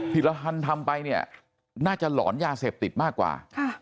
ผิดละทันทำไปนี่น่าจะหลอนยาเสพติดมากกว่า